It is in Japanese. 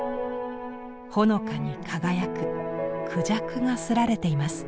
ほのかに輝く孔雀が刷られています。